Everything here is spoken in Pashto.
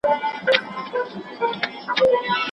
کلونه کیږي چي دا للمي اوبه سوي نه دي